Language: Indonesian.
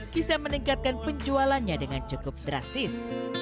bisa meningkatkan penjualannya dengan cukup drastis